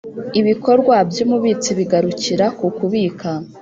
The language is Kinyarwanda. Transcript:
Ibikorwa by Umubitsi bigarukira ku kubika